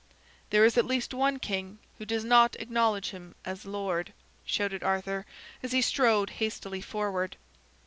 "There is at least one king who does not acknowledge him as lord," shouted Arthur, as he strode hastily forward.